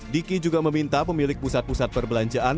diki juga meminta pemilik pusat pusat perbelanjaan